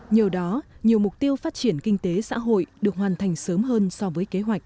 nhờ đó nhiều mục tiêu phát triển kinh tế xã hội được hoàn thành sớm hơn so với kế hoạch